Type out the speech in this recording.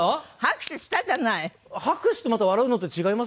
拍手したじゃない！